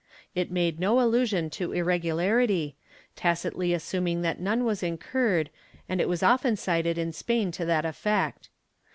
It made no illusion to irregularity, tacitly assuming that none was incurred and it was often cited in Spain to that effect.'